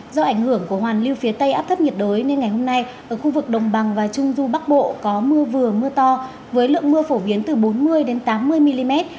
do ảnh hưởng của hoàn lưu phía tây áp thấp nhiệt đới nên ngày hôm nay ở khu vực đồng bằng và trung du bắc bộ có mưa vừa mưa to với lượng mưa phổ biến từ bốn mươi tám mươi mm